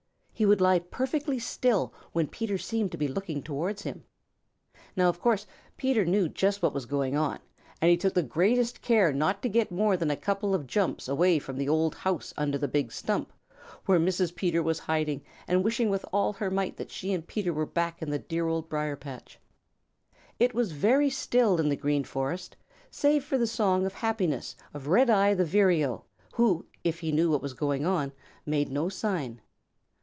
He would lie perfectly still when Peter seemed to be looking towards him. Now of course Peter knew just what was going on, and he took the greatest care not to get more than a couple of jumps away from the old house under the big stump, where Mrs. Peter was hiding and wishing with all her might that she and Peter were back in the dear Old Briar patch. It was very still in the Green Forest save for the song of happiness of Redeye the Vireo who, if he knew what was going on, made no sign.